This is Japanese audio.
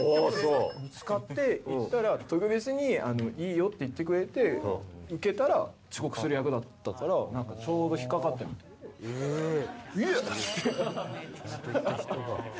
見つかって行ったら特別にいいよって言ってくれて、受けたら、遅刻する役だったから、なんかちょうど引っ掛かったみたいで。イェイ！って。